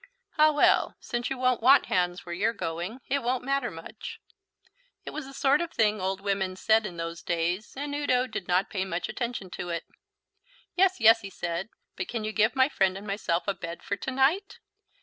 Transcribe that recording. "Ah, well, since you won't want hands where you're going, it won't matter much." It was the sort of thing old women said in those days, and Udo did not pay much attention to it. "Yes, yes," he said; "but can you give my friend and myself a bed for to night?"